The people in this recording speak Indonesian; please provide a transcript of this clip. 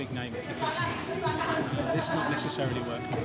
ini tidak akan berhasil